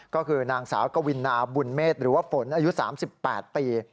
ก็คือนางสาวกวินาบุญเมษหรือว่าฝนอายุ๓๘ปี